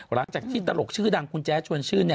หลังจากที่ตลกชื่อดังคุณแจ๊ดชวนชื่น